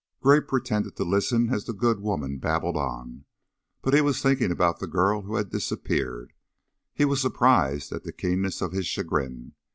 Gray pretended to listen as the good woman babbled on, but he was thinking about the girl who had disappeared. He was surprised at the keenness of his chagrin.